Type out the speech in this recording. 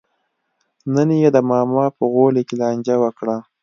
نن یې د ماما په غولي کې لانجه وکړه.